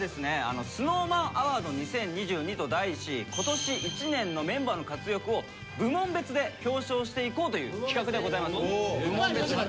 「ＳｎｏｗＭａｎＡＷＡＲＤＳ２０２２」と題し今年一年のメンバーの活躍を部門別で表彰していこうという企画でございます。